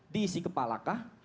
di isi kepala kah